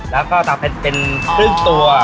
แล้วก็ตาเพชรเป็นครึ่งตัว